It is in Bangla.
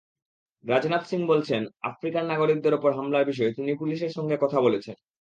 রাজনাথ সিং বলেছেন, আফ্রিকার নাগরিকদের ওপর হামলার বিষয়ে তিনি পুলিশের সঙ্গে কথা বলেছেন।